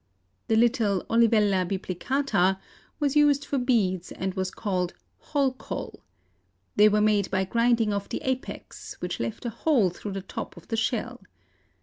The little Olivella biplicata was used for beads and was called hol kol. They were made by grinding off the apex, which left a hole through the top of the shell.